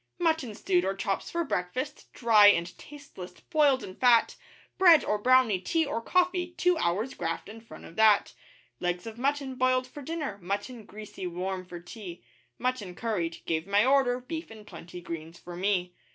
Mutton stewed or chops for breakfast, dry and tasteless, boiled in fat; Bread or brownie, tea or coffee two hours' graft in front of that; Legs of mutton boiled for dinner mutton greasy warm for tea Mutton curried (gave my order, beef and plenty greens for me.)